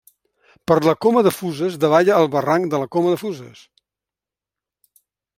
Per la Coma de Fuses davalla el barranc de la Coma de Fuses.